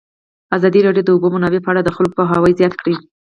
ازادي راډیو د د اوبو منابع په اړه د خلکو پوهاوی زیات کړی.